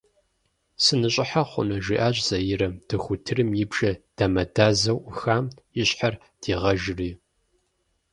«Сыныщӏыхьэ хъуну?» жиӏащ Заирэ, дохутырым и бжэ дамэдазэу ӏухам и щхьэр дигъэжыри.